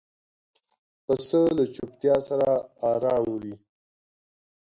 پسه له چوپتیا سره آرام وي.